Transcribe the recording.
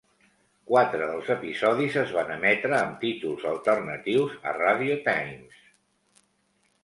Quatre dels episodis es van emetre amb títols alternatius a "Radio Times".